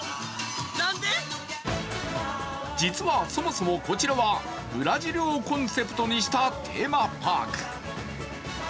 実はそもそもこちらはブラジルをコンセプトにしたテーマパーク。